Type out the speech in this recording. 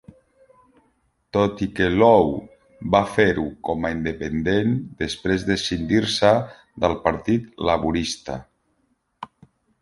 Tot i que Law va fer-ho com a independent després d'escindir-se del partit Laborista.